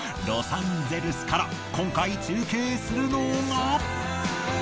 ロサンゼルスから今回中継するのが。